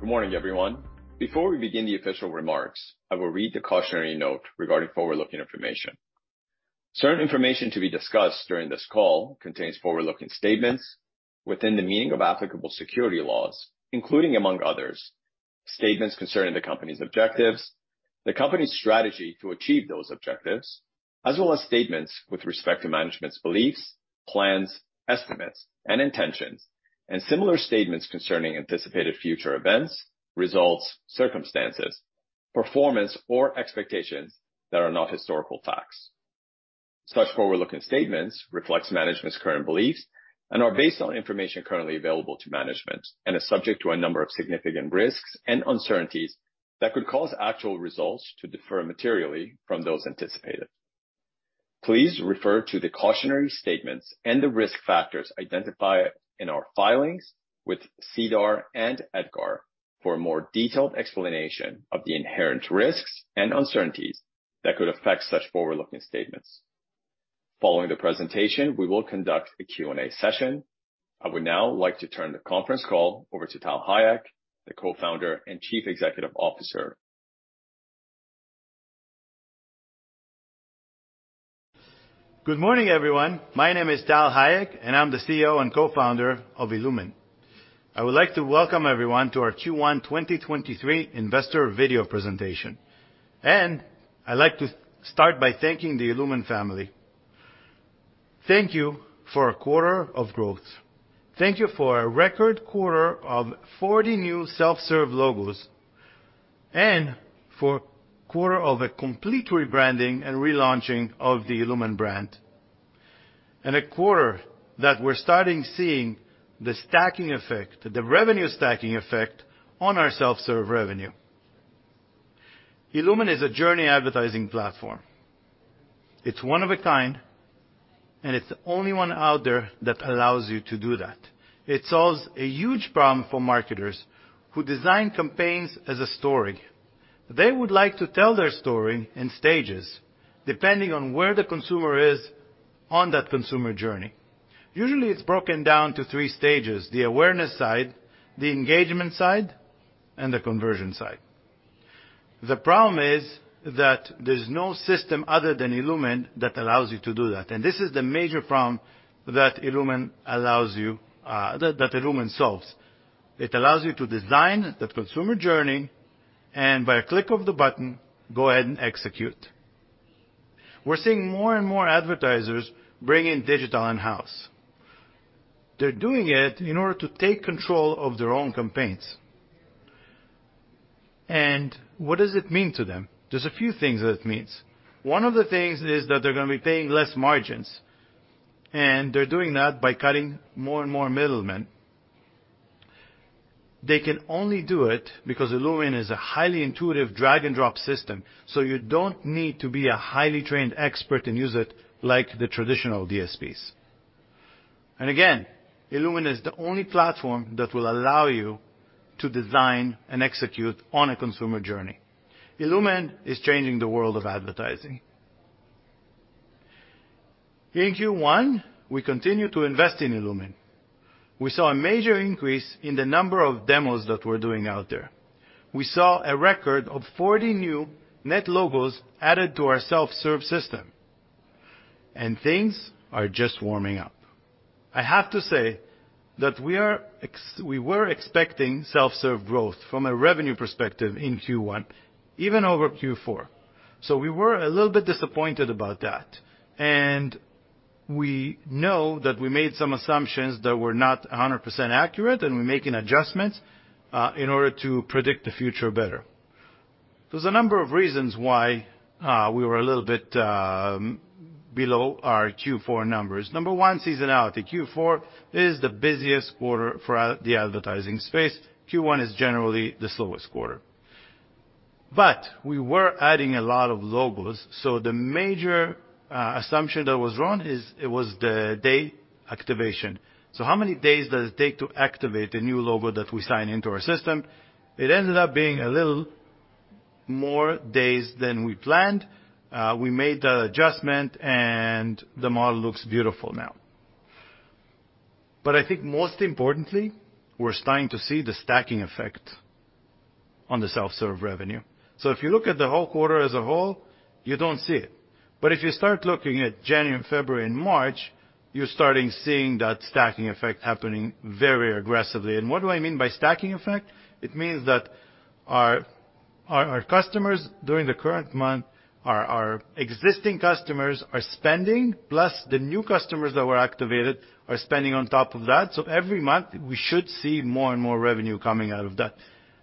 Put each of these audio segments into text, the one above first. Good morning, everyone. Before we begin the official remarks, I will read the cautionary note regarding forward-looking information. Certain information to be discussed during this call contains forward-looking statements within the meaning of applicable security laws, including among others, statements concerning the company's objectives, the company's strategy to achieve those objectives, as well as statements with respect to management's beliefs, plans, estimates, and intentions, and similar statements concerning anticipated future events, results, circumstances, performance, or expectations that are not historical facts. Such forward-looking statements reflects management's current beliefs and are based on information currently available to management and are subject to a number of significant risks and uncertainties that could cause actual results to differ materially from those anticipated. Please refer to the cautionary statements and the risk factors identified in our filings with SEDAR+ and EDGAR for a more detailed explanation of the inherent risks and uncertainties that could affect such forward-looking statements. Following the presentation, we will conduct a Q&A session. I would now like to turn the conference call over to Tal Hayek, the Co-Founder and Chief Executive Officer. Good morning, everyone. My name is Tal Hayek, I'm the CEO and co-founder of illumin. I would like to welcome everyone to our Q1 2023 investor video presentation. I'd like to start by thanking the illumin family. Thank you for a quarter of growth. Thank you for a record quarter of 40 new self-serve logos, and for a quarter of a complete rebranding and relaunching of the illumin brand. A quarter that we're starting seeing the stacking effect, the revenue stacking effect on our self-serve revenue. illumin is a journey advertising platform. It's one of a kind, and it's the only one out there that allows you to do that. It solves a huge problem for marketers who design campaigns as a story. They would like to tell their story in stages, depending on where the consumer is on that consumer journey. Usually, it's broken down to three stages: the awareness side, the engagement side, and the conversion side. The problem is that there's no system other than illumin that allows you to do that. This is the major problem that illumin allows you, that illumin solves. It allows you to design the consumer journey and by a click of the button, go ahead and execute. We're seeing more and more advertisers bringing digital in-house. They're doing it in order to take control of their own campaigns. What does it mean to them? There's a few things that it means. One of the things is that they're gonna be paying less margins, and they're doing that by cutting more and more middlemen. They can only do it because illumin is a highly intuitive drag-and-drop system, so you don't need to be a highly trained expert and use it like the traditional DSPs. Again, illumin is the only platform that will allow you to design and execute on a consumer journey. illumin is changing the world of advertising. In Q1, we continued to invest in illumin. We saw a major increase in the number of demos that we're doing out there. We saw a record of 40 new net logos added to our self-serve system, things are just warming up. I have to say that we were expecting self-serve growth from a revenue perspective in Q1, even over Q4. We were a little bit disappointed about that. We know that we made some assumptions that were not 100% accurate, and we're making adjustments in order to predict the future better. There's a number of reasons why we were a little bit below our Q4 numbers. Number one, seasonality. Q4 is the busiest quarter for the advertising space. Q1 is generally the slowest quarter. We were adding a lot of logos, so the major assumption that was wrong is it was the day activation. How many days does it take to activate a new logo that we sign into our system? It ended up being a little more days than we planned. We made the adjustment and the model looks beautiful now. I think most importantly, we're starting to see the stacking effect on the self-serve revenue. If you look at the whole quarter as a whole, you don't see it. If you start looking at January, February and March, you're starting seeing that stacking effect happening very aggressively. What do I mean by stacking effect? It means that our customers during the current month, our existing customers are spending, plus the new customers that were activated are spending on top of that. Every month, we should see more and more revenue coming out of that.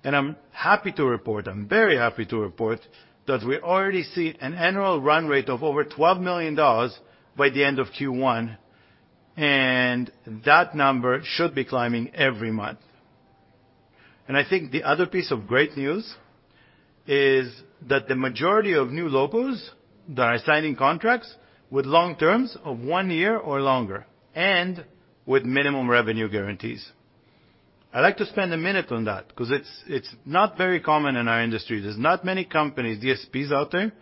I'm very happy to report that we already see an annual run rate of over $12 million by the end of Q1, and that number should be climbing every month. I think the other piece of great news is that the majority of new logos that are signing contracts with long terms of one year or longer and with minimum revenue guarantees. I'd like to spend a minute on that 'cause it's not very common in our industry. There's not many companies, DSPs out there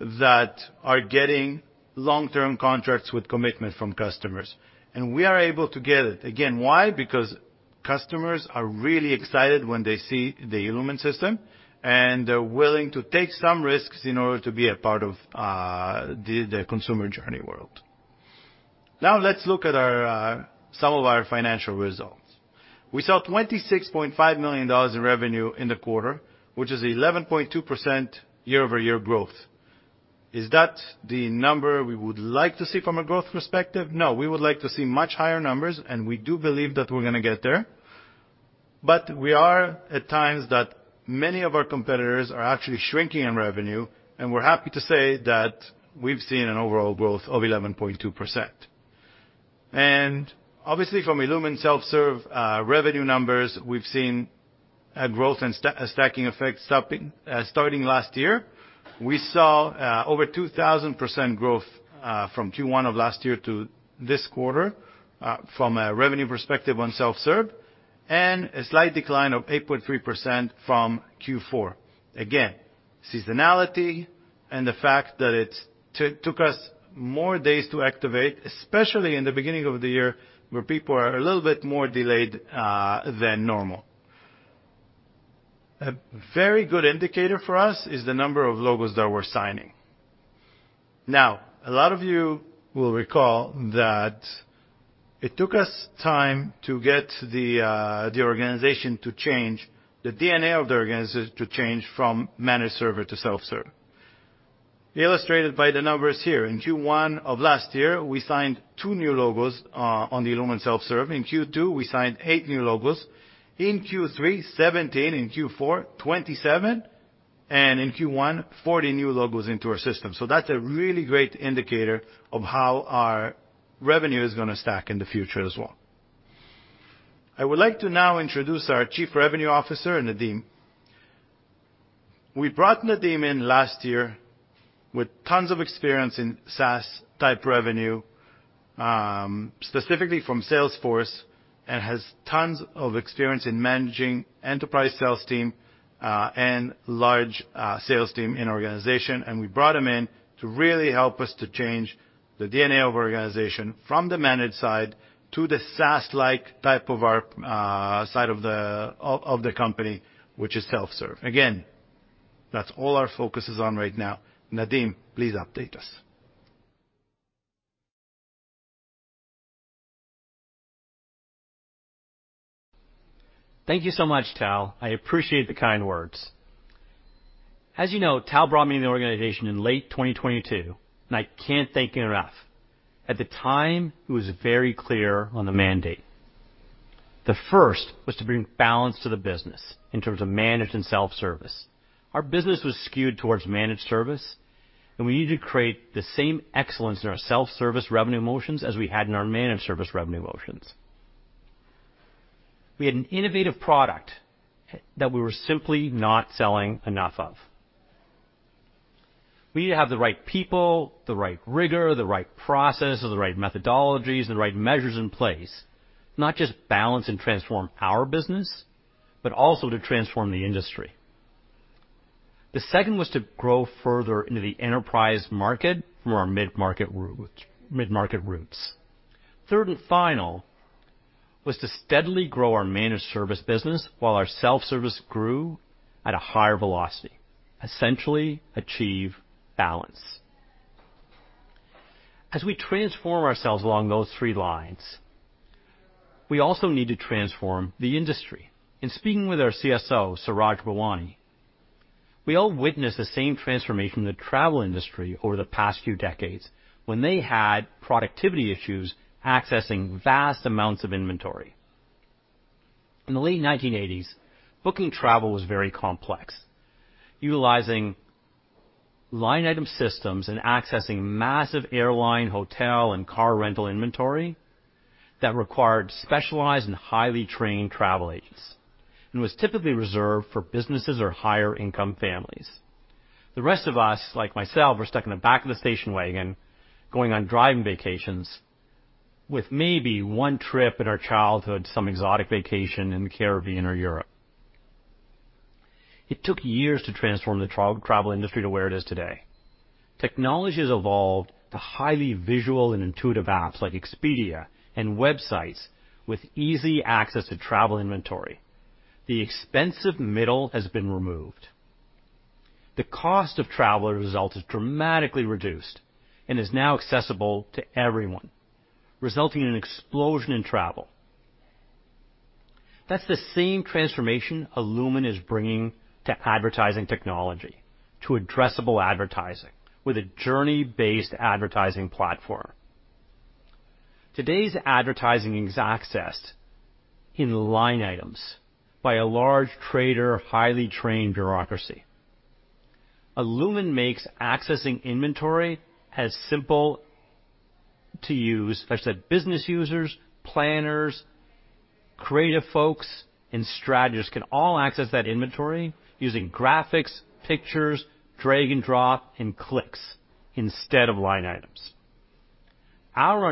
that are getting long-term contracts with commitment from customers, and we are able to get it. Again, why? Because customers are really excited when they see the illumin system, and they're willing to take some risks in order to be a part of the consumer journey world. Let's look at our some of our financial results. We saw $26.5 million in revenue in the quarter, which is 11.2% year-over-year growth. Is that the number we would like to see from a growth perspective? No, we would like to see much higher numbers, and we do believe that we're gonna get there. We are at times that many of our competitors are actually shrinking in revenue, and we're happy to say that we've seen an overall growth of 11.2%. Obviously, from illumin self-serve revenue numbers, we've seen a growth and stacking effect starting last year. We saw over 2,000% growth from Q1 of last year to this quarter from a revenue perspective on self-serve, and a slight decline of 8.3% from Q4. Again, seasonality and the fact that it took us more days to activate, especially in the beginning of the year, where people are a little bit more delayed than normal. A very good indicator for us is the number of logos that we're signing. A lot of you will recall that it took us time to get the organization to change, the DNA of the organization to change from managed service to self-serve. Illustrated by the numbers here, in Q1 of last year, we signed two new logos on the illumin self-serve. In Q2, we signed eight new logos. In Q3, 17, in Q4, 27, and in Q1, 40 new logos into our system. That's a really great indicator of how our revenue is gonna stack in the future as well. I would like to now introduce our Chief Revenue Officer, Nadeem. We brought Nadeem in last year with tons of experience in SaaS type revenue, specifically from Salesforce, and has tons of experience in managing enterprise sales team and large sales team in organization. We brought him in to really help us to change the DNA of our organization from the managed side to the SaaS-like type of our side of the company, which is self-serve. That's all our focus is on right now. Nadeem, please update us. Thank you so much, Tal. I appreciate the kind words. As you know, Tal brought me in the organization in late 2022. I can't thank him enough. At the time, he was very clear on the mandate. The first was to bring balance to the business in terms of managed and self-service. Our business was skewed towards managed service. We needed to create the same excellence in our self-service revenue motions as we had in our managed service revenue motions. We had an innovative product that we were simply not selling enough of. We need to have the right people, the right rigor, the right processes, the right methodologies, the right measures in place, not just balance and transform our business, but also to transform the industry. The second was to grow further into the enterprise market from our mid-market roots. Third and final was to steadily grow our managed service business while our self-service grew at a higher velocity, essentially achieve balance. As we transform ourselves along those three lines, we also need to transform the industry. In speaking with our CSO, Suraj Bhawani, we all witnessed the same transformation in the travel industry over the past few decades when they had productivity issues accessing vast amounts of inventory. In the late 1980s, booking travel was very complex, utilizing line item systems and accessing massive airline, hotel, and car rental inventory that required specialized and highly trained travel agents, and was typically reserved for businesses or higher income families. The rest of us, like myself, were stuck in the back of the station wagon going on driving vacations with maybe one trip in our childhood, some exotic vacation in the Caribbean or Europe. It took years to transform the travel industry to where it is today. Technology has evolved to highly visual and intuitive apps like Expedia and websites with easy access to travel inventory. The expensive middle has been removed. The cost of travel as a result is dramatically reduced and is now accessible to everyone, resulting in an explosion in travel. That's the same transformation illumin is bringing to advertising technology, to addressable advertising with a journey-based advertising platform. Today's advertising is accessed in line items by a large trader, highly trained bureaucracy. illumin makes accessing inventory as simple to use such that business users, planners, creative folks, and strategists can all access that inventory using graphics, pictures, drag and drop, and clicks instead of line items. Our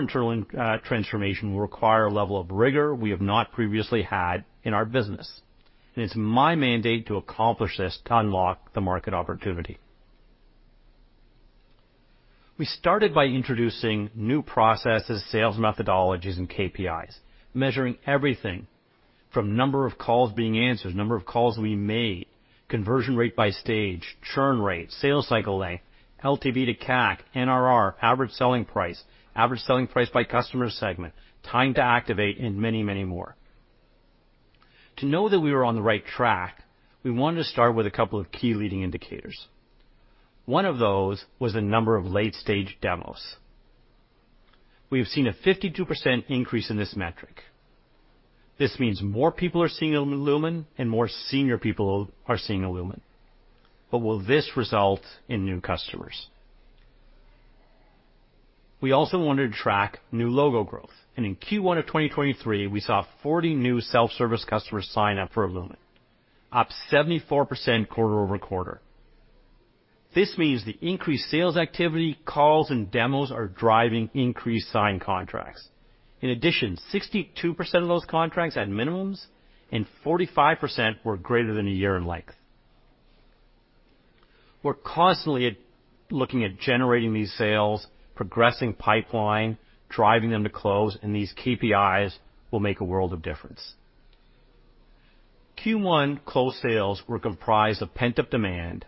internal transformation will require a level of rigor we have not previously had in our business. It's my mandate to accomplish this to unlock the market opportunity. We started by introducing new processes, sales methodologies, and KPIs, measuring everything from number of calls being answered, number of calls we made, conversion rate by stage, churn rate, sales cycle length, LTV to CAC, NRR, average selling price, average selling price by customer segment, time to activate, and many, many more. To know that we were on the right track, we wanted to start with a couple of key leading indicators. One of those was the number of late-stage demos. We have seen a 52% increase in this metric. This means more people are seeing illumin and more senior people are seeing illumin. Will this result in new customers? We also wanted to track new logo growth. In Q1 of 2023, we saw 40 new self-service customers sign up for illumin, up 74% quarter-over-quarter. This means the increased sales activity, calls, and demos are driving increased signed contracts. In addition, 62% of those contracts had minimums and 45% were greater than a year in length. We're constantly looking at generating these sales, progressing pipeline, driving them to close. These KPIs will make a world of difference. Q1 closed sales were comprised of pent-up demand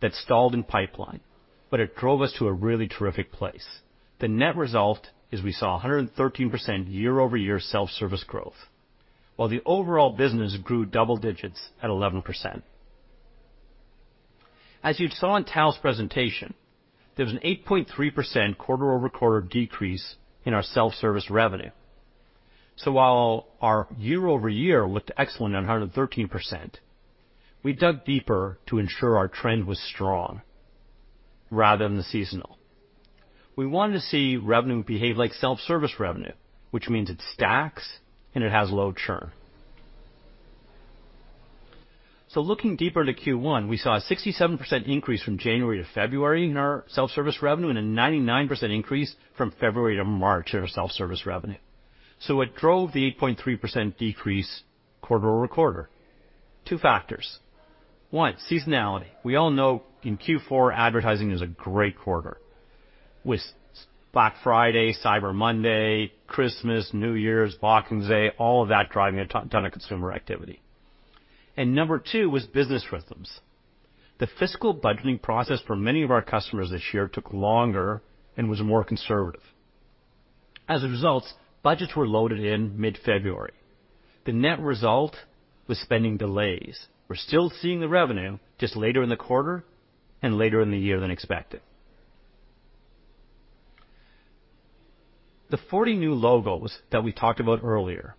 that stalled in pipeline. It drove us to a really terrific place. The net result is we saw 113% year-over-year self-service growth, while the overall business grew double digits at 11%. As you saw in Tal's presentation, there was an 8.3% quarter-over-quarter decrease in our self-service revenue. While our year-over-year looked excellent at 113%, we dug deeper to ensure our trend was strong rather than the seasonal. We wanted to see revenue behave like self-service revenue, which means it stacks and it has low churn. Looking deeper into Q1, we saw a 67% increase from January to February in our self-service revenue and a 99% increase from February to March in our self-service revenue. What drove the 8.3% decrease quarter-over-quarter? Two factors. One, seasonality. We all know in Q4, advertising is a great quarter with Black Friday, Cyber Monday, Christmas, New Year's, Boxing Day, all of that driving a ton of consumer activity. Number two was business rhythms. The fiscal budgeting process for many of our customers this year took longer and was more conservative. Budgets were loaded in mid-February. The net result was spending delays. We're still seeing the revenue just later in the quarter and later in the year than expected. The 40 new logos that we talked about earlier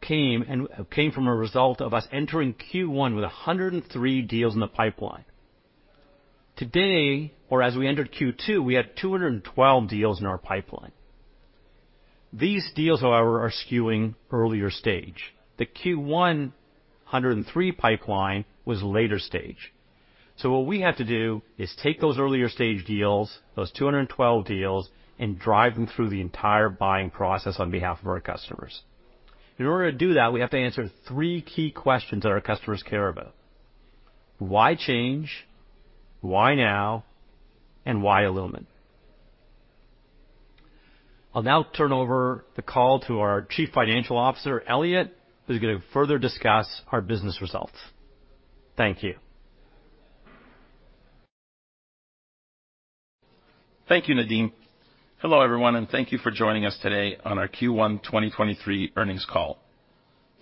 came from a result of us entering Q1 with 103 deals in the pipeline. Today, or as we entered Q2, we had 212 deals in our pipeline. These deals, however, are skewing earlier stage. The Q1 103 pipeline was later stage. What we have to do is take those earlier stage deals, those 212 deals, and drive them through the entire buying process on behalf of our customers. In order to do that, we have to answer three key questions that our customers care about: Why change, why now, and why illumin? I'll now turn over the call to our Chief Financial Officer, Elliot, who's gonna further discuss our business results. Thank you. Thank you, Nadeem. Hello, everyone, thank you for joining us today on our Q1 2023 earnings call.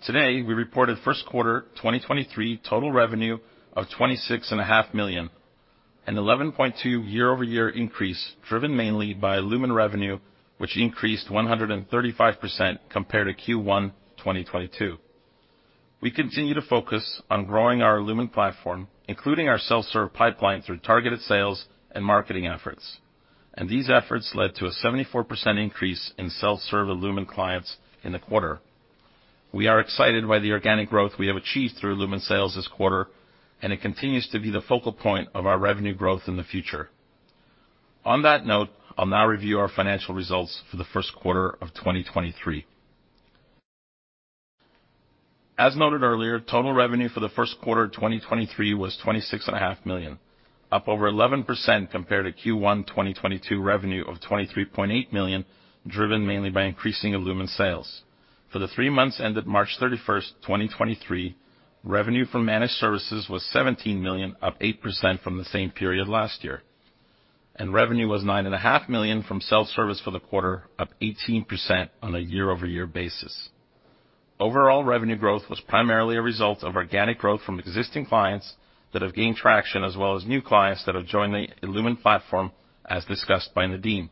Today, we reported first quarter 2023 total revenue of $26.5 million, an 11.2% year-over-year increase driven mainly by illumin revenue, which increased 135% compared to Q1 2022. We continue to focus on growing our illumin platform, including our self-serve pipeline through targeted sales and marketing efforts, these efforts led to a 74% increase in self-serve illumin clients in the quarter. We are excited by the organic growth we have achieved through illumin sales this quarter, it continues to be the focal point of our revenue growth in the future. On that note, I'll now review our financial results for the first quarter of 2023. As noted earlier, total revenue for the first quarter of 2023 was $26.5 million, up over 11% compared to Q1 2022 revenue of $23.8 million, driven mainly by increasing illumin sales. For the three months ended March 31, 2023, revenue from managed services was $17 million, up 8% from the same period last year. Revenue was $9.5 million from self-service for the quarter, up 18% on a year-over-year basis. Overall revenue growth was primarily a result of organic growth from existing clients that have gained traction, as well as new clients that have joined the illumin platform, as discussed by Nadeem.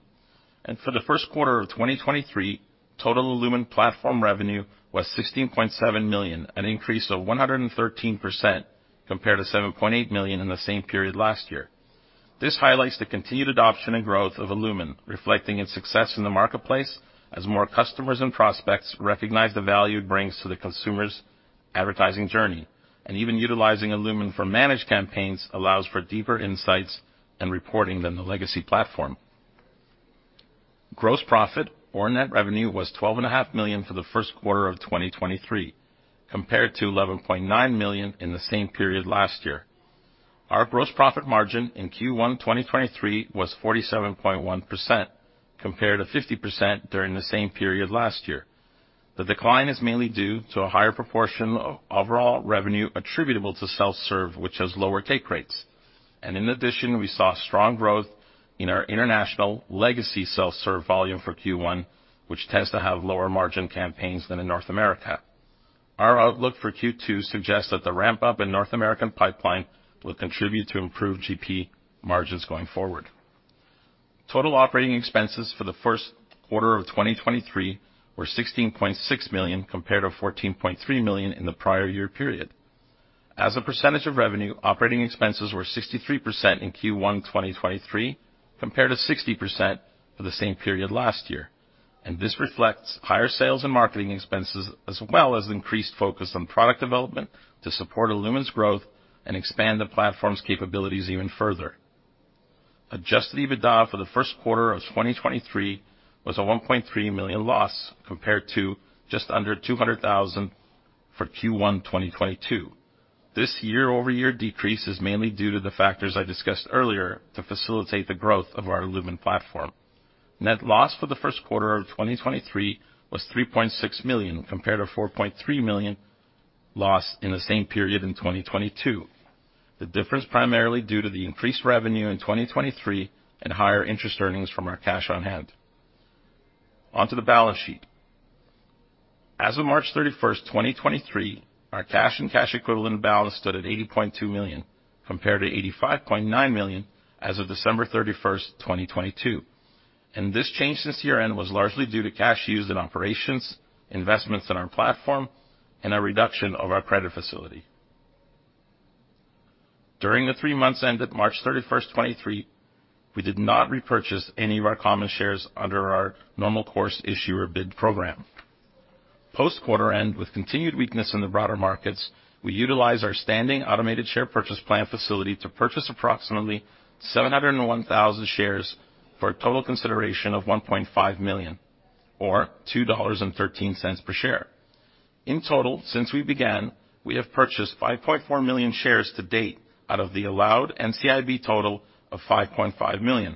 For the first quarter of 2023, total illumin platform revenue was $16.7 million, an increase of 113% compared to $7.8 million in the same period last year. This highlights the continued adoption and growth of illumin, reflecting its success in the marketplace as more customers and prospects recognize the value it brings to the consumer's advertising journey. Even utilizing illumin for managed campaigns allows for deeper insights and reporting than the legacy platform. Gross profit or net revenue was $12.5 million for the first quarter of 2023, compared to $11.9 million in the same period last year. Our gross profit margin in Q1 2023 was 47.1% compared to 50% during the same period last year. The decline is mainly due to a higher proportion of overall revenue attributable to self-serve, which has lower take rates. In addition, we saw strong growth in our international legacy self-serve volume for Q1, which tends to have lower margin campaigns than in North America. Our outlook for Q2 suggests that the ramp-up in North American pipeline will contribute to improved GP margins going forward. Total operating expenses for the first quarter of 2023 were $16.6 million compared to $14.3 million in the prior year period. As a percentage of revenue, operating expenses were 63% in Q1 2023 compared to 60% for the same period last year. This reflects higher sales and marketing expenses as well as increased focus on product development to support illumin's growth and expand the platform's capabilities even further. Adjusted EBITDA for the first quarter of 2023 was a $1.3 million loss, compared to just under $200,000 for Q1 2022. This year-over-year decrease is mainly due to the factors I discussed earlier to facilitate the growth of our illumin platform. Net loss for the first quarter of 2023 was $3.6 million, compared to $4.3 million loss in the same period in 2022. The difference primarily due to the increased revenue in 2023 and higher interest earnings from our cash on hand. On to the balance sheet. As of March 31, 2023, our cash and cash equivalent balance stood at $80.2 million, compared to $85.9 million as of December 31, 2022. This change since year-end was largely due to cash used in operations, investments in our platform, and a reduction of our credit facility. During the three months ended March 31, 2023, we did not repurchase any of our common shares under our Normal Course Issuer Bid program. Post quarter-end, with continued weakness in the broader markets, we utilized our standing automated share purchase plan facility to purchase approximately 701,000 shares for a total consideration of $1.5 million or $2.13 per share. In total, since we began, we have purchased 5.4 million shares to date out of the allowed NCIB total of 5.5 million.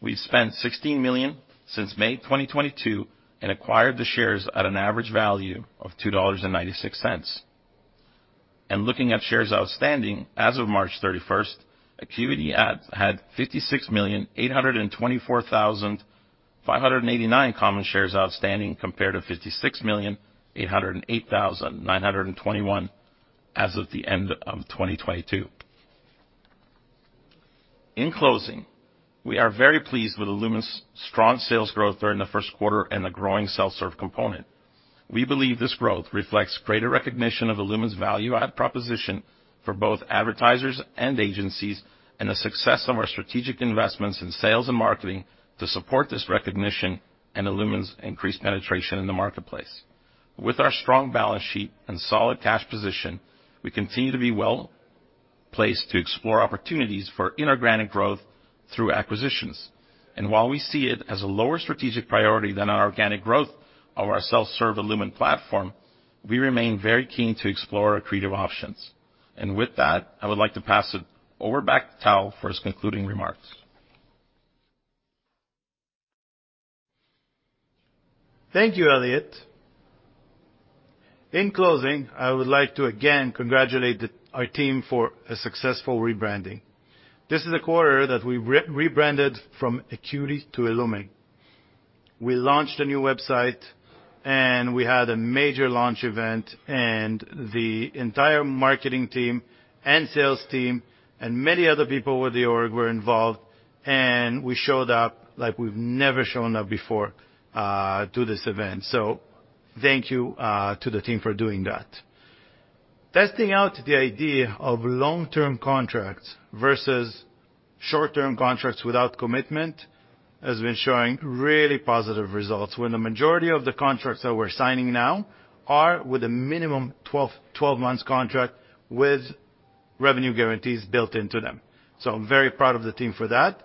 We've spent $16 million since May 2022 and acquired the shares at an average value of $2.96. Looking at shares outstanding as of March 31st, AcuityAds had 56,824,589 common shares outstanding compared to 56,808,921 as of the end of 2022. In closing, we are very pleased with illumin's strong sales growth during the 1st quarter and the growing self-serve component. We believe this growth reflects greater recognition of illumin's value-add proposition for both advertisers and agencies, and the success of our strategic investments in sales and marketing to support this recognition and illumin's increased penetration in the marketplace. With our strong balance sheet and solid cash position, we continue to be well-placed to explore opportunities for inorganic growth through acquisitions. While we see it as a lower strategic priority than our organic growth of our self-serve illumin platform, we remain very keen to explore accretive options. With that, I would like to pass it over back to Tal for his concluding remarks. Thank you, Elliot. In closing, I would like to again congratulate our team for a successful rebranding. This is a quarter that we re-rebranded from Acuity to illumin. We launched a new website, and we had a major launch event, and the entire marketing team and sales team and many other people with the org were involved, and we showed up like we've never shown up before to this event. So thank you to the team for doing that. Testing out the idea of long-term contracts versus short-term contracts without commitment has been showing really positive results when the majority of the contracts that we're signing now are with a minimum 12 months contract with revenue guarantees built into them. So I'm very proud of the team for that.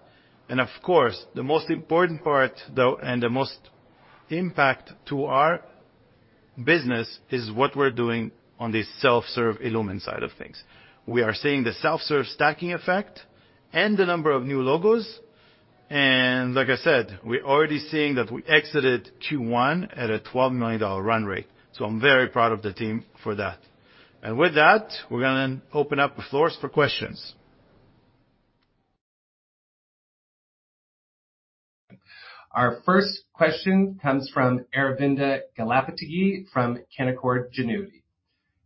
Of course, the most important part though, and the most impact to our business is what we're doing on the self-serve illumin side of things. We are seeing the self-serve stacking effect and the number of new logos. Like I said, we're already seeing that we exited Q1 at a $12 million run rate. I'm very proud of the team for that. With that, we're gonna open up the floors for questions. Our first question comes from Aravinda Galappatthige from Canaccord Genuity.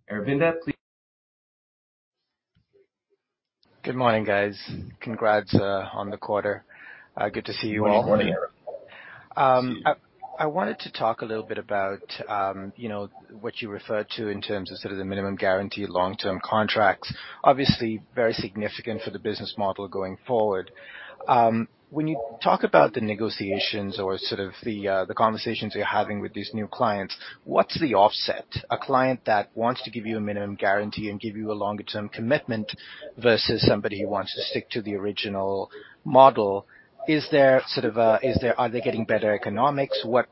Aravinda, please. Good morning, guys. Congrats, on the quarter. Good to see you all. Good morning, Aravinda. Good to see you. I wanted to talk a little bit about, you know, what you referred to in terms of sort of the minimum guaranteed long-term contracts, obviously very significant for the business model going forward. When you talk about the negotiations or sort of the conversations you're having with these new clients, what's the offset? A client that wants to give you a minimum guarantee and give you a longer term commitment versus somebody who wants to stick to the original model. Is there sort of, are they getting better economics? Apart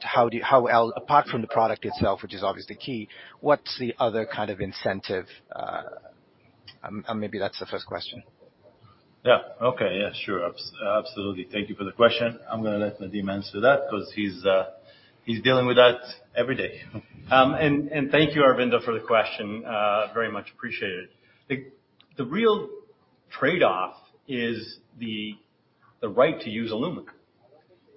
from the product itself, which is obviously key, what's the other kind of incentive? Maybe that's the first question. Yeah. Okay. Yeah, sure. Absolutely. Thank you for the question. I'm gonna let Nadeem answer that 'cause he's dealing with that every day. Thank you, Aravinda, for the question. Very much appreciated. The real trade-off is the right to use illumin.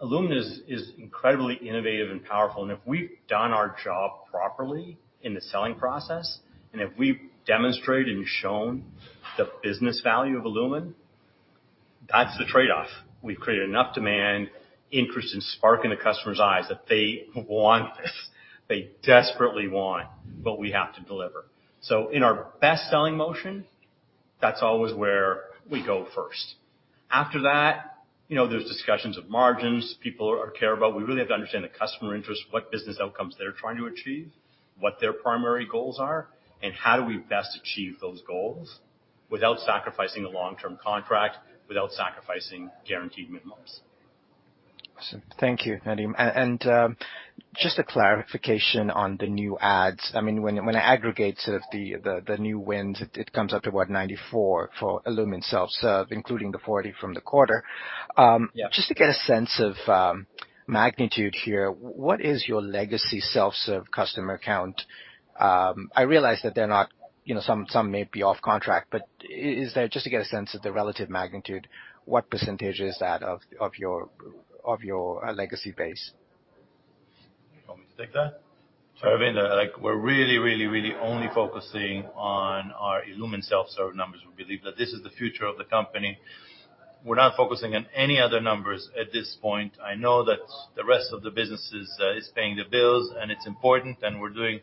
illumin is incredibly innovative and powerful, and if we've done our job properly in the selling process, and if we've demonstrated and shown the business value of illumin, that's the trade-off. We've created enough demand, interest, and spark in the customer's eyes that they want this. They desperately want what we have to deliver. In our best selling motion, that's always where we go first. After that, you know, there's discussions of margins, people or care about. We really have to understand the customer interest, what business outcomes they're trying to achieve, what their primary goals are, and how do we best achieve those goals without sacrificing a long-term contract, without sacrificing guaranteed minimums. Awesome. Thank you, Nadeem. Just a clarification on the new ads. I mean, when it aggregates the new wins, it comes up to what? 94 for illumin self-serve, including the 40 from the quarter. Yeah. Just to get a sense of magnitude here, what is your legacy self-serve customer count? I realize that they're not, you know, some may be off contract, Just to get a sense of the relative magnitude, what percentage is that of your legacy base? You want me to take that? Aravinda, like, we're really only focusing on our illumin self-serve numbers. We believe that this is the future of the company. We're not focusing on any other numbers at this point. I know that the rest of the business is paying the bills, and it's important, and we're doing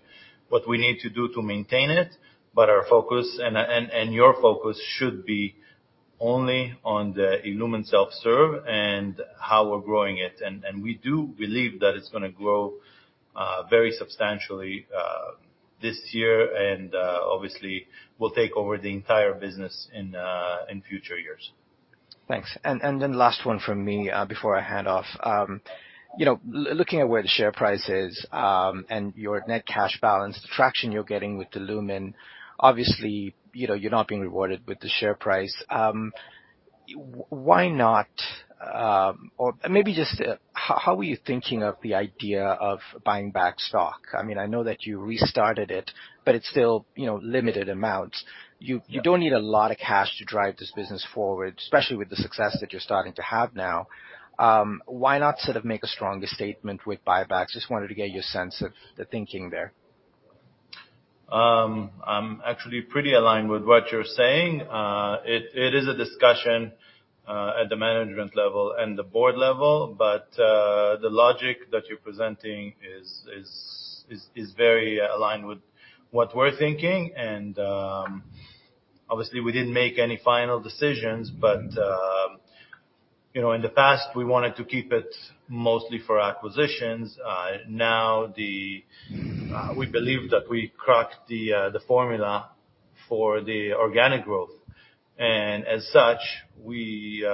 what we need to do to maintain it, but our focus and your focus should be only on the illumin self-serve and how we're growing it. We do believe that it's gonna grow very substantially this year, and obviously will take over the entire business in future years. Thanks. Then last one from me, before I hand off. You know, looking at where the share price is, and your net cash balance, the traction you're getting with illumin, obviously, you know, you're not being rewarded with the share price. Why not? Or maybe just, how are you thinking of the idea of buying back stock? I mean, I know that you restarted it, but it's still, you know, limited amounts. You, you don't need a lot of cash to drive this business forward, especially with the success that you're starting to have now. Why not sort of make a stronger statement with buybacks? Just wanted to get your sense of the thinking there. I'm actually pretty aligned with what you're saying. It is a discussion at the management level and the board level, but the logic that you're presenting is very aligned with what we're thinking. Obviously, we didn't make any final decisions, but, you know, in the past, we wanted to keep it mostly for acquisitions. Now the, we believe that we cracked the formula for the organic growth. As such, we.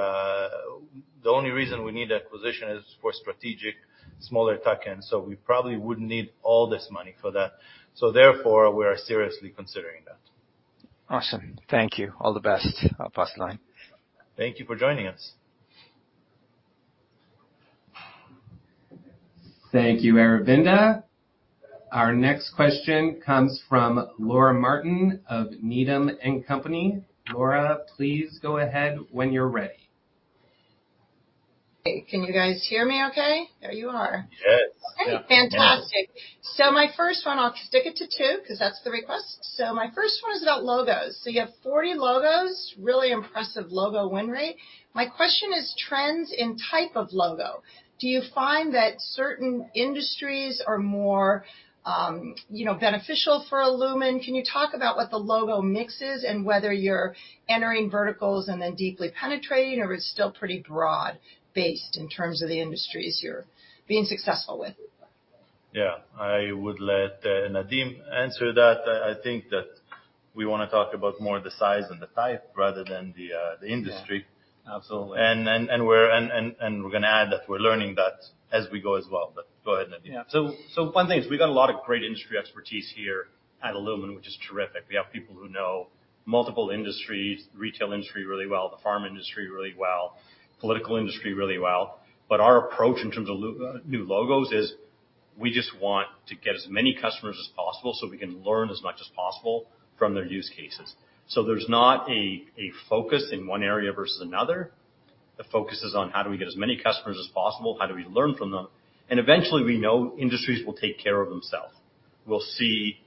The only reason we need acquisition is for strategic smaller tech-ins, so we probably wouldn't need all this money for that. Therefore, we are seriously considering that. Awesome. Thank you. All the best. I'll pass the line. Thank you for joining us. Thank you, Aravinda. Our next question comes from Laura Martin of Needham & Company. Laura, please go ahead when you're ready. Hey, can you guys hear me okay? There you are. Yes. My first one, I'll stick it to two 'cause that's the request. My first one is about logos. You have 40 logos, really impressive logo win rate. My question is trends in type of logo. Do you find that certain industries are more, you know, beneficial for illumin? Can you talk about what the logo mix is and whether you're entering verticals and then deeply penetrating, or it's still pretty broad-based in terms of the industries you're being successful with? Yeah. I would let Nadeem answer that. I think that we wanna talk about more the size and the type rather than the industry. Yeah. Absolutely. We're gonna add that we're learning that as we go as well, but go ahead, Nadeem. Yeah. One thing is we've got a lot of great industry expertise here at illumin, which is terrific. We have people who know multiple industries, retail industry really well, the farm industry really well, political industry really well. Our approach in terms of new logos is we just want to get as many customers as possible so we can learn as much as possible from their use cases. There's not a focus in one area versus another. The focus is on how do we get as many customers as possible? How do we learn from them? Eventually, we know industries will take care of themselves. We'll see,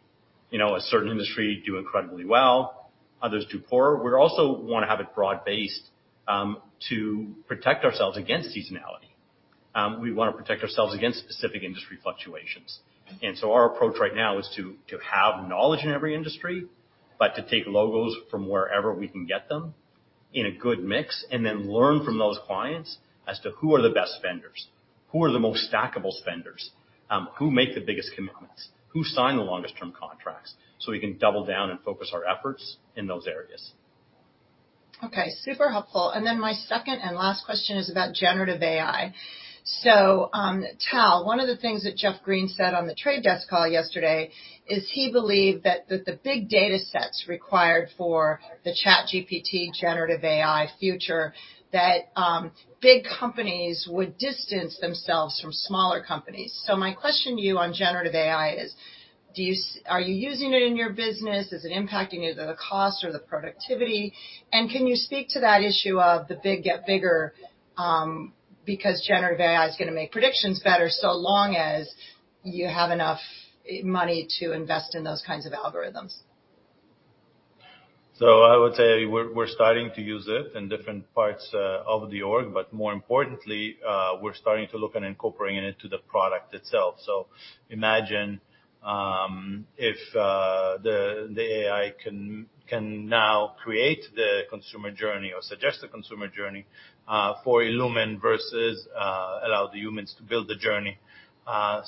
you know, a certain industry do incredibly well, others do poor. We also wanna have it broad-based to protect ourselves against seasonality. We wanna protect ourselves against specific industry fluctuations. Our approach right now is to have knowledge in every industry, but to take logos from wherever we can get them in a good mix, and then learn from those clients as to who are the best spenders. Who are the most stackable spenders? Who make the biggest commitments? Who sign the longest term contracts? We can double down and focus our efforts in those areas. Okay, super helpful. My second and last question is about generative AI. Tal, one of the things that Jeff Green said on The Trade Desk call yesterday is he believed that the big datasets required for the ChatGPT generative AI future, that big companies would distance themselves from smaller companies. My question to you on generative AI is are you using it in your business? Is it impacting either the cost or the productivity? Can you speak to that issue of the big get bigger, because generative AI is gonna make predictions better so long as you have enough money to invest in those kinds of algorithms. I would say we're starting to use it in different parts of the org, but more importantly, we're starting to look at incorporating it into the product itself. Imagine if the AI can now create the consumer journey or suggest the consumer journey for illumin versus allow the humans to build the journey. That's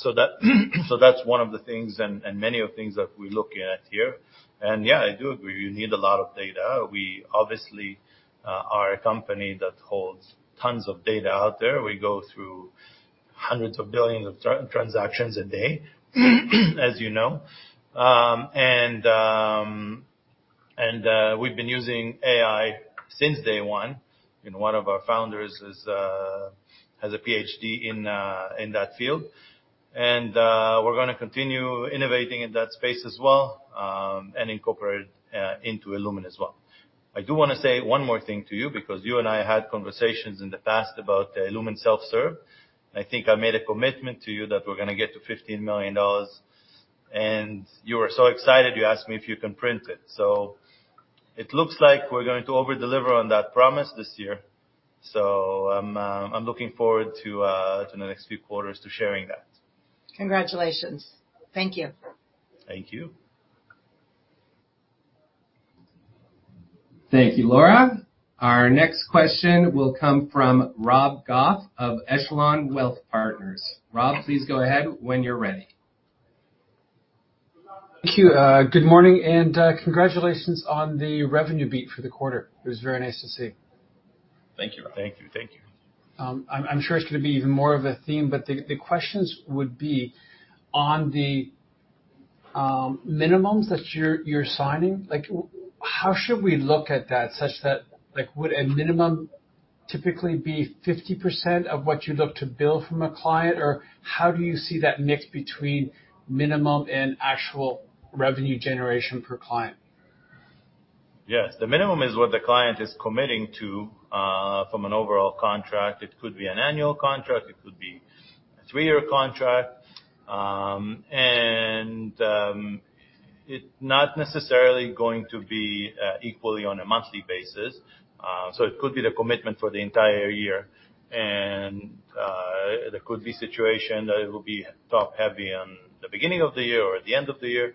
one of the things and many of things that we're looking at here. Yeah, I do agree, you need a lot of data. We obviously are a company that holds tons of data out there. We go through hundreds of billions of transactions a day, as you know. We've been using AI since day one. One of our founders is has a PhD in that field. We're gonna continue innovating in that space as well, and incorporate into illumin as well. I do wanna say one more thing to you because you and I had conversations in the past about illumin self-serve. I think I made a commitment to you that we're gonna get to $15 million, and you were so excited you asked me if you can print it. It looks like we're going to over-deliver on that promise this year. I'm looking forward to the next few quarters to sharing that. Congratulations. Thank you. Thank you. Thank you, Laura. Our next question will come from Rob Goff of Echelon Wealth Partners. Rob, please go ahead when you're ready. Thank you. Good morning, and congratulations on the revenue beat for the quarter. It was very nice to see. Thank you. Thank you. Thank you. I'm sure it's gonna be even more of a theme, but the questions would be on the minimums that you're signing, like how should we look at that such that like, would a minimum typically be 50% of what you look to bill from a client? Or how do you see that mix between minimum and actual revenue generation per client? Yes. The minimum is what the client is committing to, from an overall contract. It could be an annual contract, it could be a three-year contract. It's not necessarily going to be equally on a monthly basis. It could be the commitment for the entire year. There could be a situation that it will be top-heavy on the beginning of the year or at the end of the year.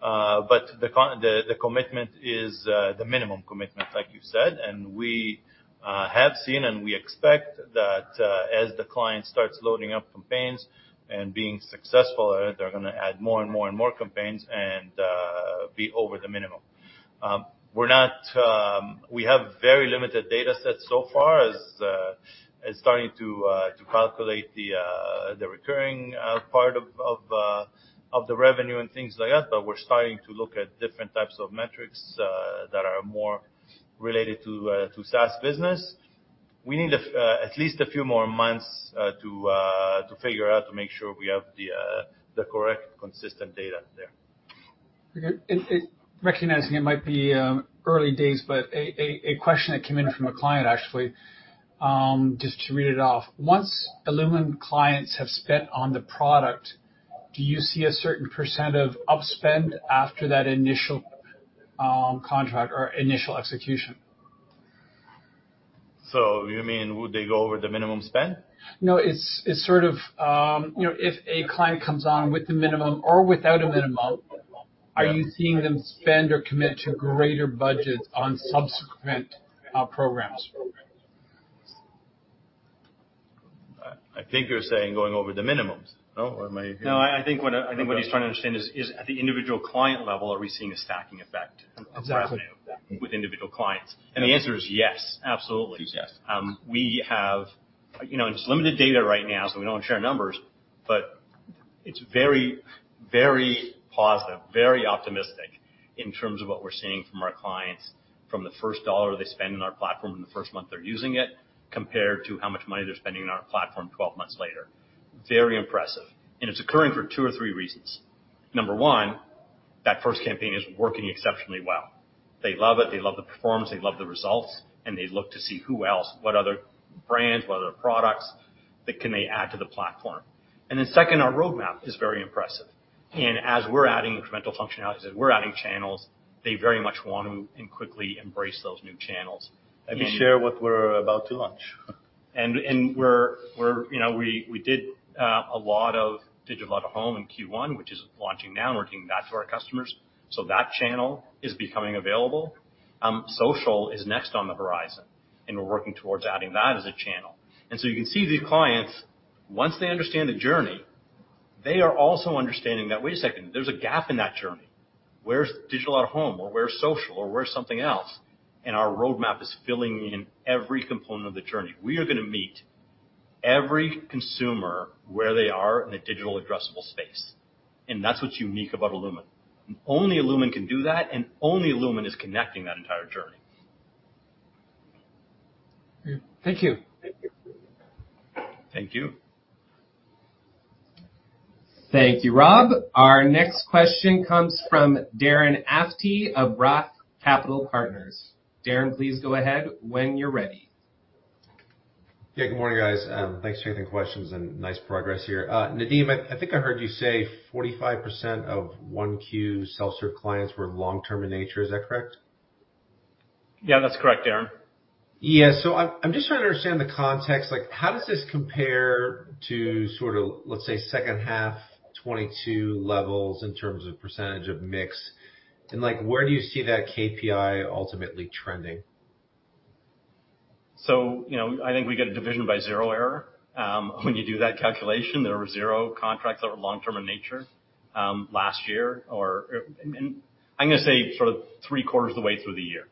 But the commitment is the minimum commitment, like you said. We have seen and we expect that as the client starts loading up campaigns and being successful at it, they're gonna add more and more campaigns and be over the minimum. We're not... We have very limited data sets so far as as starting to to calculate the the recurring part of of the revenue and things like that. We're starting to look at different types of metrics that are more related to SaaS business. We need at least a few more months to to figure out, to make sure we have the correct consistent data there. Okay. Recognizing it might be early days, but a question that came in from a client, actually, just to read it off. Once illumin clients have spent on the product, do you see a certain percentage of up-spend after that initial contract or initial execution? You mean would they go over the minimum spend? No, it's sort of, you know, if a client comes on with the minimum or without a minimum. Yeah. are you seeing them spend or commit to greater budgets on subsequent programs? I think you're saying going over the minimums. No? Or am I? No, I think what he's trying to understand is at the individual client level, are we seeing a stacking effect? Exactly. Of revenue with individual clients? The answer is yes. Absolutely. Yes. We have, you know, it's limited data right now, so we don't share numbers, but it's very, very positive, very optimistic in terms of what we're seeing from our clients from the first dollar they spend on our platform in the first month they're using it, compared to how much money they're spending on our platform 12 months later. Very impressive. It's occurring for two or three reasons. Number one, that first campaign is working exceptionally well. They love it, they love the performance, they love the results, and they look to see who else, what other brands, what other products that can they add to the platform. Second, our roadmap is very impressive. As we're adding incremental functionalities, as we're adding channels, they very much want to and quickly embrace those new channels. Let me share what we're about to launch. We're, you know, we did a lot of digital out-of-home in Q1, which is launching now and working that to our customers, so that channel is becoming available. Social is next on the horizon, and we're working towards adding that as a channel. You can see these clients, once they understand the journey. They are also understanding that, wait a second, there's a gap in that journey. Where's digital out-of-home or where's social or where's something else? Our roadmap is filling in every component of the journey. We are gonna meet every consumer where they are in a digital addressable space, and that's what's unique about illumin. Only illumin can do that, and only illumin is connecting that entire journey. Great. Thank you. Thank you. Thank you, Rob. Our next question comes from Darren Aftahi of Roth Capital Partners. Darren, please go ahead when you're ready. Yeah. Good morning, guys. Thanks for taking questions and nice progress here. Nadeem, I think I heard you say 45% of 1Q self-serve clients were long-term in nature. Is that correct? Yeah, that's correct, Darren. Yeah. I'm just trying to understand the context. Like, how does this compare to sort of, let's say, second half 2022 levels in terms of percentageof mix? Like, where do you see that KPI ultimately trending? You know, I think we get a division by zero error when you do that calculation. There were zero contracts that were long-term in nature last year or, I'm gonna say sort of three-quarters of the way through the year.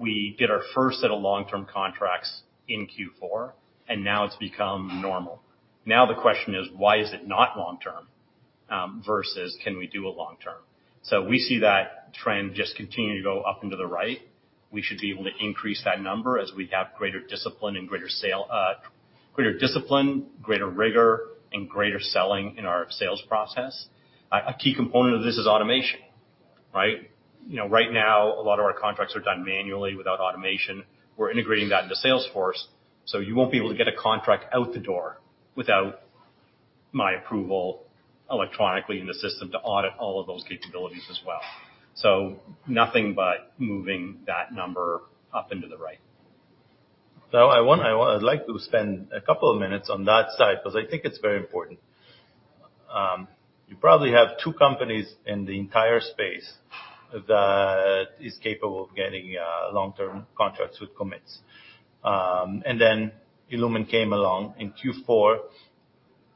We did our first set of long-term contracts in Q4, and now it's become normal. Now the question is, why is it not long-term versus can we do it long-term? We see that trend just continuing to go up into the right. We should be able to increase that number as we have greater discipline, greater rigor, and greater selling in our sales process. A key component of this is automation, right? You know, right now, a lot of our contracts are done manually without automation. We're integrating that into Salesforce, so you won't be able to get a contract out the door without my approval electronically in the system to audit all of those capabilities as well. Nothing but moving that number up into the right. I'd like to spend a couple of minutes on that side because I think it's very important. You probably have two companies in the entire space that is capable of getting long-term contracts with commits. illumin came along in Q4.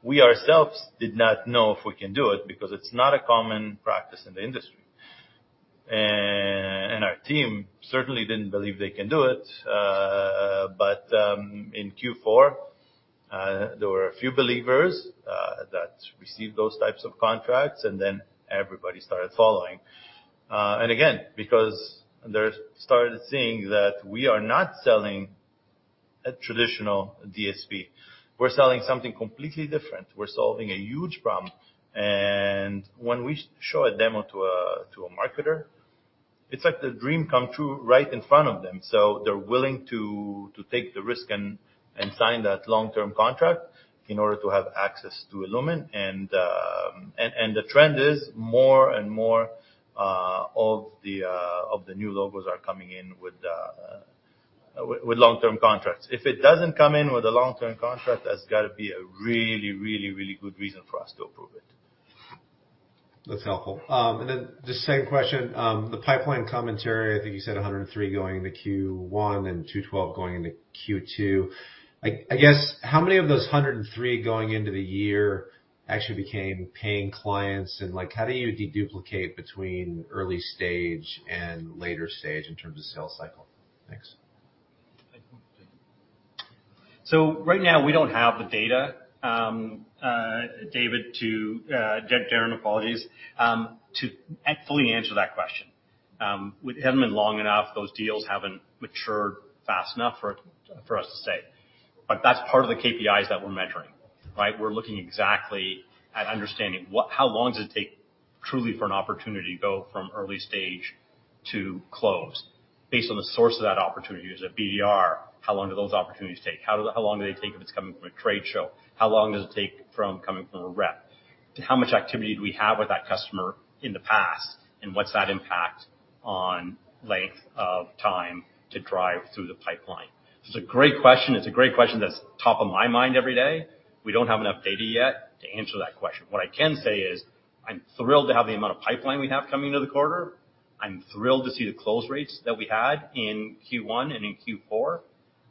We ourselves did not know if we can do it because it's not a common practice in the industry. Our team certainly didn't believe they can do it. But in Q4, there were a few believers that received those types of contracts, everybody started following. Again, because they started seeing that we are not selling a traditional DSP. We're selling something completely different. We're solving a huge problem. When we show a demo to a marketer, it's like the dream come true right in front of them. They're willing to take the risk and sign that long-term contract in order to have access to illumin. The trend is more and more of the new logos are coming in with long-term contracts. If it doesn't come in with a long-term contract, there's got to be a really good reason for us to approve it. That's helpful. Just second question, the pipeline commentary, I think you said 103 going into Q1 and 212 going into Q2. How many of those 103 going into the year actually became paying clients? How do you deduplicate between early stage and later stage in terms of sales cycle? Thanks. Right now, we don't have the data, David, to Darren, apologies, to fully answer that question. We haven't been long enough. Those deals haven't matured fast enough for us to say. That's part of the KPIs that we're measuring, right? We're looking exactly at understanding what how long does it take truly for an opportunity to go from early stage to close based on the source of that opportunity. Is it BDR? How long do those opportunities take? How long do they take if it's coming from a trade show? How long does it take from coming from a rep? How much activity do we have with that customer in the past, and what's that impact on length of time to drive through the pipeline? It's a great question. It's a great question that's top of my mind every day. We don't have enough data yet to answer that question. What I can say is, I'm thrilled to have the amount of pipeline we have coming into the quarter. I'm thrilled to see the close rates that we had in Q1 and in Q4.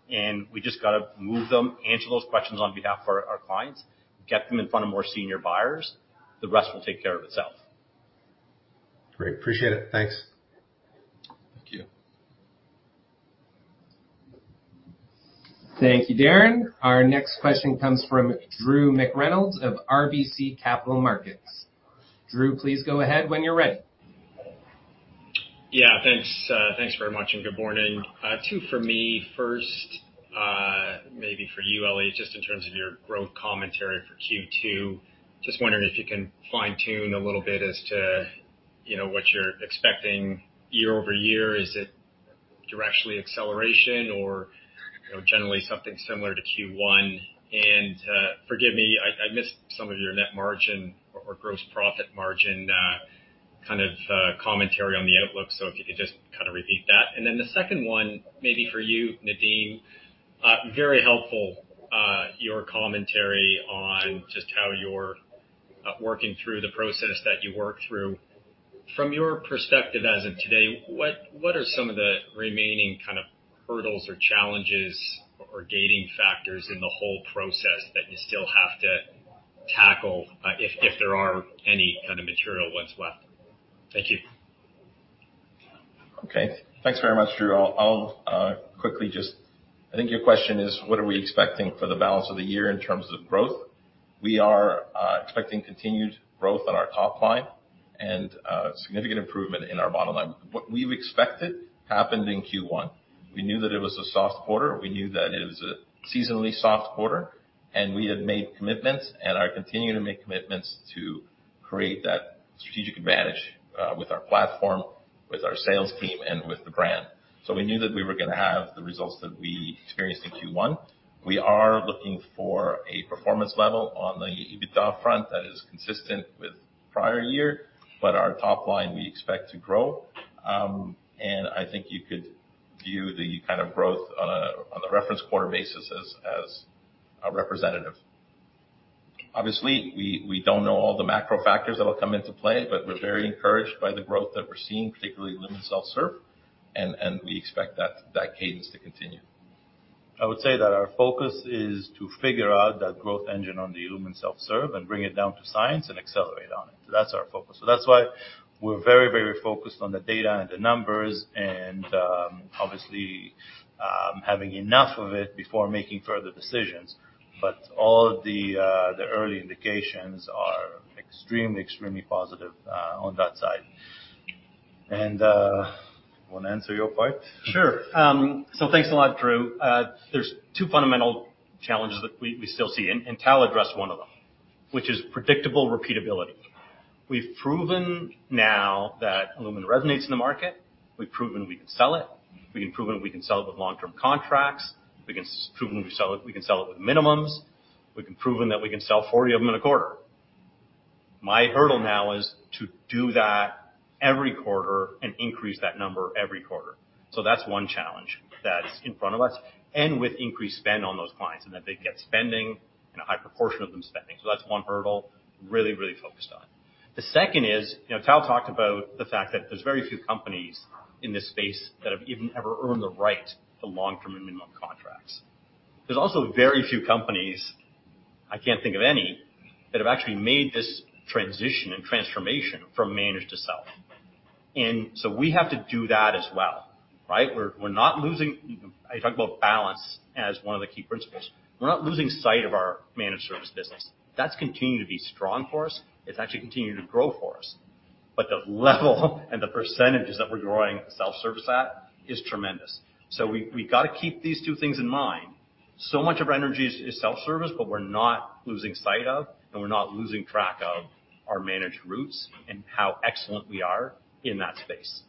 We just got to move them, answer those questions on behalf for our clients, get them in front of more senior buyers. The rest will take care of itself. Great. Appreciate it. Thanks. Thank you. Thank you, Darren. Our next question comes from Drew McReynolds of RBC Capital Markets. Drew, please go ahead when you're ready. Yeah. Thanks. Thanks very much, and good morning. Two for me. First, maybe for you, Eli, just in terms of your growth commentary for Q2. Just wondering if you can fine-tune a little bit as to, you know, what you're expecting year over year. Is it directionally acceleration or, you know, generally something similar to Q1? Forgive me, I missed some of your net margin or gross profit margin, kind of commentary on the outlook. If you could just kind of repeat that. The second one may be for you, Nadeem. Very helpful, your commentary on just how you're working through the process that you worked through. From your perspective as of today, what are some of the remaining kind of hurdles or challenges or gating factors in the whole process that you still have to tackle, if there are any kind of material ones left? Thank you. Okay. Thanks very much, Drew. I'll quickly just. I think your question is what are we expecting for the balance of the year in terms of growth. We are expecting continued growth on our top line and significant improvement in our bottom line. What we've expected happened in Q1. We knew that it was a soft quarter, we knew that it was a seasonally soft quarter, and we had made commitments and are continuing to make commitments to create that strategic advantage with our platform, with our sales team, and with the brand. We knew that we were gonna have the results that we experienced in Q1. We are looking for a performance level on the EBITDA front that is consistent with prior year, our top line, we expect to grow. I think you could view the kind of growth on a, on a reference quarter basis as representative. Obviously, we don't know all the macro factors that will come into play, but we're very encouraged by the growth that we're seeing, particularly illumin self-serve, and we expect that cadence to continue. I would say that our focus is to figure out that growth engine on the illumin self-serve and bring it down to science and accelerate on it. That's our focus. That's why we're very, very focused on the data and the numbers and, obviously, having enough of it before making further decisions. All the early indications are extremely positive on that side. Wanna answer your part? Sure. Thanks a lot, Drew. There's two fundamental challenges that we still see, and Tal addressed 1 of them, which is predictable repeatability. We've proven now that illumin resonates in the market. We've proven we can sell it. We can prove that we can sell it with long-term contracts. We can proven we can sell it with minimums. We can proven that we can sell 40 of them in a quarter. My hurdle now is to do that every quarter and increase that number every quarter. That's one challenge that's in front of us, and with increased spend on those clients, and that they get spending in a high proportion of them spending. That's one hurdle we're really, really focused on. The second is, you know, Tal talked about the fact that there's very few companies in this space that have even ever earned the right to long-term and minimum contracts. There's also very few companies, I can't think of any, that have actually made this transition and transformation from managed to self. We have to do that as well, right? We're not losing... I talk about balance as one of the key principles. We're not losing sight of our managed service business. That's continued to be strong for us. It's actually continued to grow for us. The level and the percentages that we're growing self-service at is tremendous. We got to keep these two things in mind. Much of our energy is self-service, but we're not losing sight of, and we're not losing track of our managed roots and how excellent we are in that space.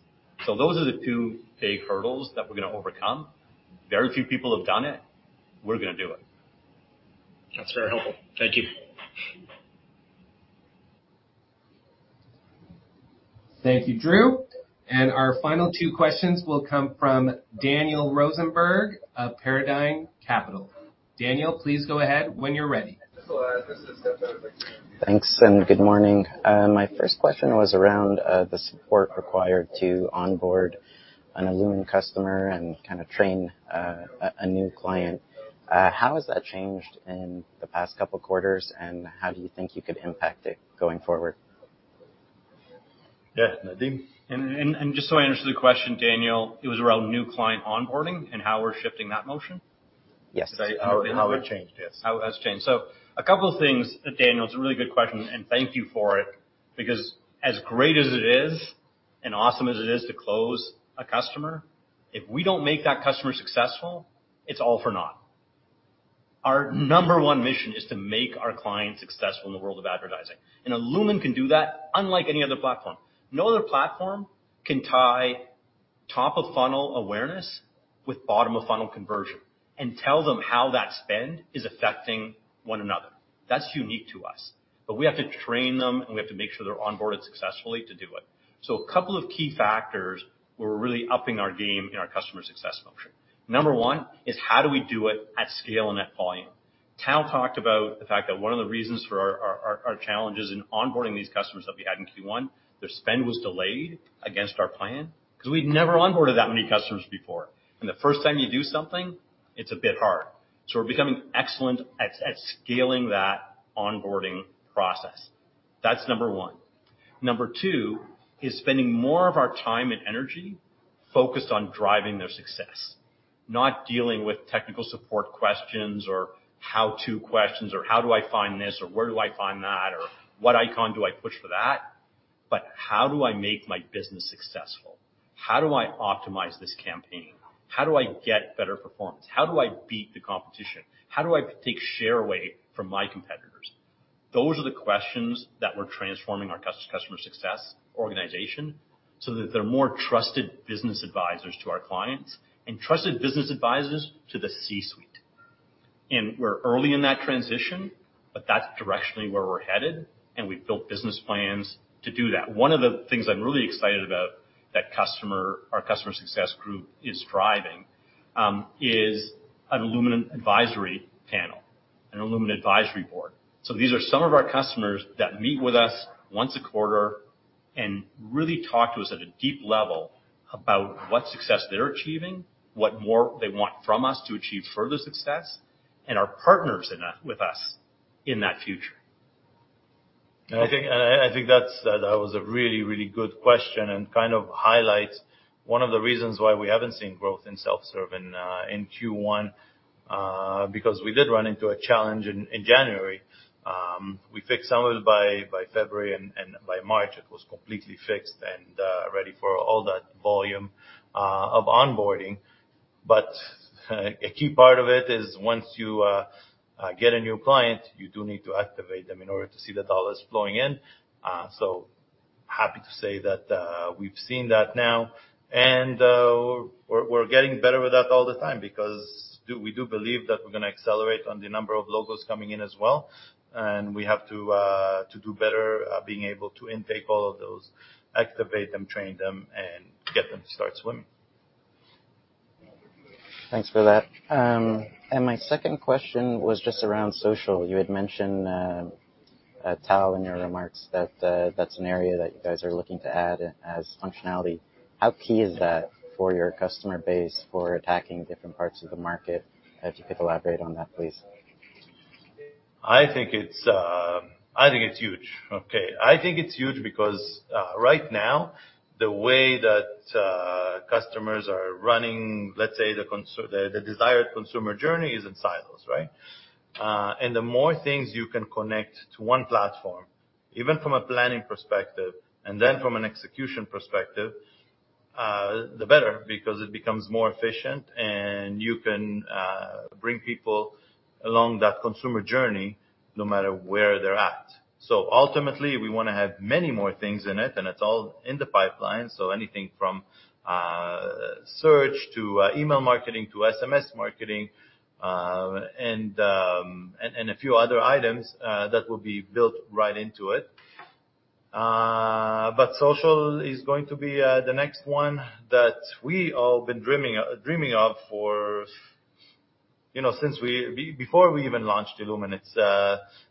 Those are the two big hurdles that we're gonna overcome. Very few people have done it. We're gonna do it. That's very helpful. Thank you. Thank you, Drew. Our final two questions will come from Daniel Rosenberg of Paradigm Capital. Daniel, please go ahead when you're ready. Thanks. Good morning. My first question was around the support required to onboard an illumin customer and kinda train a new client. How has that changed in the past couple quarters? How do you think you could impact it going forward? Yeah. Nadeem? Just so I understand the question, Daniel, it was around new client onboarding and how we're shifting that motion? Yes. How it changed. Yes. How it has changed. A couple of things, Daniel. It's a really good question, and thank you for it because as great as it is and awesome as it is to close a customer, if we don't make that customer successful, it's all for naught. Our number one mission is to make our clients successful in the world of advertising. illumin can do that unlike any other platform. No other platform can tie top of funnel awareness with bottom of funnel conversion and tell them how that spend is affecting one another. That's unique to us. We have to train them, and we have to make sure they're onboarded successfully to do it. A couple of key factors where we're really upping our game in our customer success function. Number one is how do we do it at scale and at volume? Tal talked about the fact that one of the reasons for our challenges in onboarding these customers that we had in Q1, their spend was delayed against our plan 'cause we'd never onboarded that many customers before. The first time you do something, it's a bit hard. We're becoming excellent at scaling that onboarding process. That's number one. Number two is spending more of our time and energy focused on driving their success, not dealing with technical support questions or how to questions, or how do I find this or where do I find that, or what icon do I push for that, but how do I make my business successful? How do I optimize this campaign? How do I get better performance? How do I beat the competition? How do I take share away from my competitors? Those are the questions that we're transforming our customer success organization so that they're more trusted business advisors to our clients and trusted business advisors to the C-suite. We're early in that transition, but that's directionally where we're headed, and we've built business plans to do that. One of the things I'm really excited about that customer, our customer success group is driving, is an illumin customer advisory board. These are some of our customers that meet with us once a quarter and really talk to us at a deep level about what success they're achieving, what more they want from us to achieve further success, and are partners in that with us in that future. I think that was a really, really good question, kind of highlights one of the reasons why we haven't seen growth in self-serve in Q1, because we did run into a challenge in January. We fixed some of it by February, and by March it was completely fixed and ready for all that volume of onboarding. A key part of it is once you get a new client, you do need to activate them in order to see the dollars flowing in. Happy to say that we've seen that now. We're getting better with that all the time because we do believe that we're gonna accelerate on the number of logos coming in as well. We have to do better at being able to intake all of those, activate them, train them, and get them to start swimming. Thanks for that. My second question was just around social. You had mentioned, Tal, in your remarks that that's an area that you guys are looking to add as functionality. How key is that for your customer base for attacking different parts of the market? If you could elaborate on that, please. I think it's huge. I think it's huge because right now, the way that customers are running, let's say, the desired consumer journey is in silos, right? The more things you can connect to one platform, even from a planning perspective, and then from an execution perspective, the better, because it becomes more efficient and you can bring people along that consumer journey no matter where they're at. Ultimately, we wanna have many more things in it, and it's all in the pipeline. Anything from search, to email marketing, to SMS marketing, and a few other items that will be built right into it. Social is going to be the next one that we all been dreaming of for, you know, since before we even launched illumin.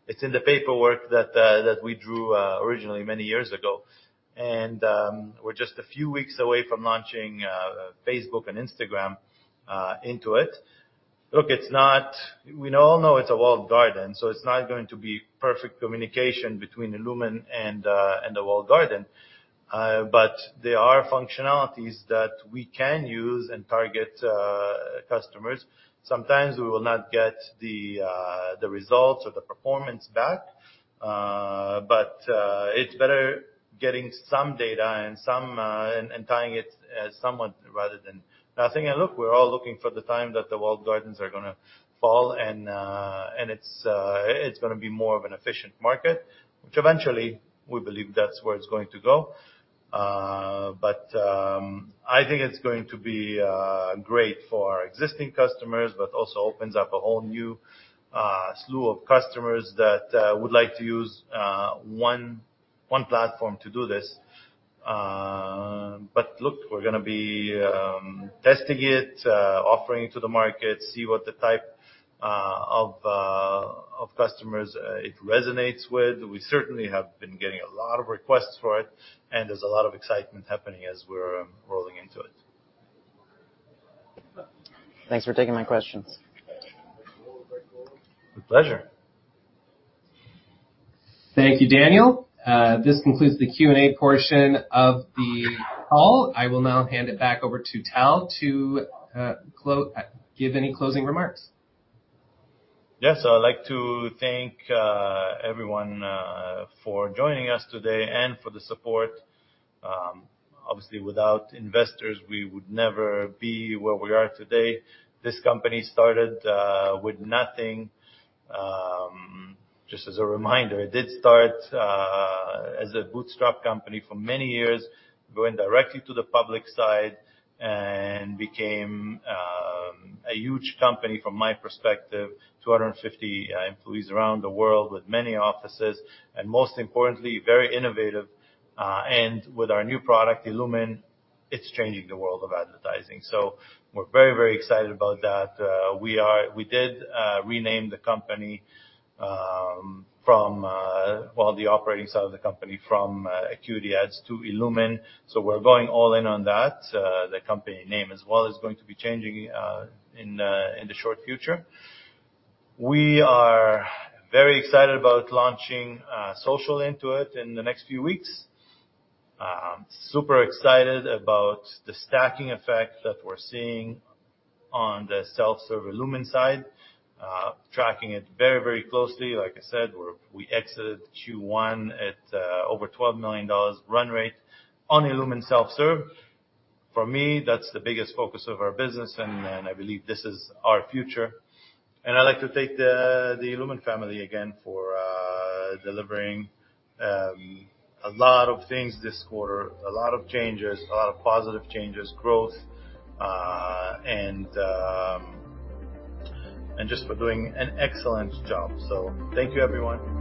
It's in the paperwork that we drew originally many years ago. We're just a few weeks away from launching Facebook and Instagram into it. Look, we all know it's a walled garden, so it's not going to be perfect communication between illumin and the walled garden. There are functionalities that we can use and target customers. Sometimes we will not get the results or the performance back. It's better getting some data and tying it somewhat rather than nothing. Look, we're all looking for the time that the walled gardens are gonna fall and it's gonna be more of an efficient market, which eventually we believe that's where it's going to go. I think it's going to be great for our existing customers, but also opens up a whole new slew of customers that would like to use one platform to do this. Look, we're gonna be testing it, offering it to the market, see what the type of customers it resonates with. We certainly have been getting a lot of requests for it, and there's a lot of excitement happening as we're rolling into it. Thanks for taking my questions. With pleasure. Thank you, Daniel. This concludes the Q&A portion of the call. I will now hand it back over to Tal to give any closing remarks. Yes. I'd like to thank everyone for joining us today and for the support. Obviously without investors, we would never be where we are today. This company started with nothing. Just as a reminder, it did start as a bootstrap company for many years, going directly to the public side and became a huge company, from my perspective, 250 employees around the world with many offices, and most importantly, very innovative. With our new product, illumin, it's changing the world of advertising. We're very, very excited about that. We did rename the company from, well, the operating side of the company from AcuityAds to illumin. We're going all in on that. The company name as well is going to be changing in the short future. We are very excited about launching social into it in the next few weeks. Super excited about the stacking effect that we're seeing on the self-serve illumin side. Tracking it very, very closely. Like I said, we exited Q1 at over $12 million run rate on illumin self-serve. For me, that's the biggest focus of our business, and I believe this is our future. I'd like to thank the illumin family again for delivering a lot of things this quarter, a lot of changes, a lot of positive changes, growth, and just for doing an excellent job. Thank you everyone.